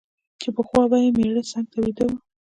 چي پخوا به یې مېړه څنګ ته ویده وو